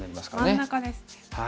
真ん中ですね。